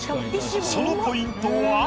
そのポイントは？